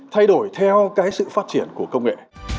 thay đổi theo cái sự phát triển của công nghệ